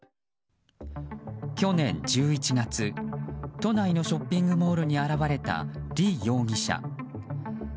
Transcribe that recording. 去年１１月、都内のショッピングモールに現れたリ容疑者。